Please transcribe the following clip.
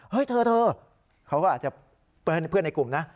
เธอเขาก็อาจจะเปิ้ลเพื่อนในกลุ่มนะ